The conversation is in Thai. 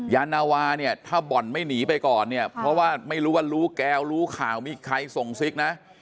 ยานาวาเนี่ยถ้าบ่อนไม่หนีไปก่อนเนี่ยเพราะว่าไม่รู้ว่ารู้แก้วรู้ข่าวมีใครส่งซิกนะ